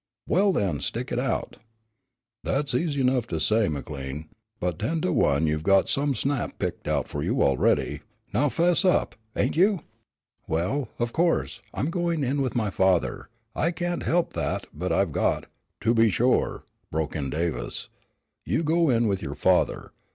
"Well, then, stick it out." "That's easy enough to say, McLean; but ten to one you've got some snap picked out for you already, now 'fess up, ain't you?" "Well, of course I'm going in with my father, I can't help that, but I've got " "To be sure," broke in Davis, "you go in with your father.